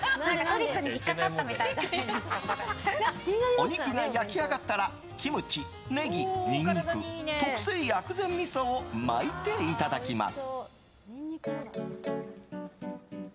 お肉が焼き上がったらキムチ、ネギ、ニンニク特製薬膳みそを巻いていただきます。